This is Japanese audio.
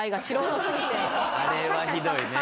あれはひどいね。